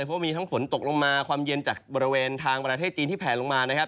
เพราะมีทั้งฝนตกลงมาความเย็นจากบริเวณทางประเทศจีนที่แผลลงมานะครับ